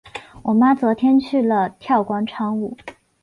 我妈昨天去了跳广场舞。